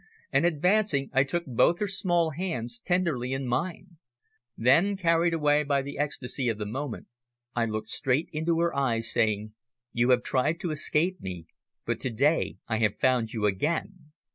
and, advancing, I took both her small hands tenderly in mine. Then, carried away by the ecstasy of the moment, I looked straight into her eyes, saying, "You have tried to escape me, but to day I have found you again.